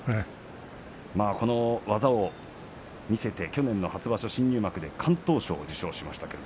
この技を見せて去年の初場所、新入幕で敢闘賞を受賞しました。